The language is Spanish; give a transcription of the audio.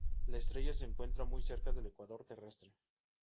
La estrella se encuentra muy cerca del ecuador terrestre.